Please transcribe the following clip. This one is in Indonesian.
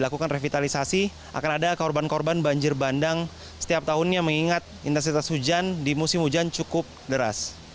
melakukan revitalisasi akan ada korban korban banjir bandang setiap tahunnya mengingat intensitas hujan di musim hujan cukup deras